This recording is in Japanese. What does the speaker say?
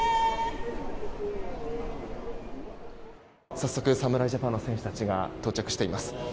早速、侍ジャパンの選手たちが到着しています。